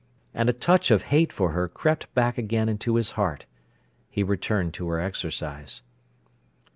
And a touch of hate for her crept back again into his heart. He returned to her exercise.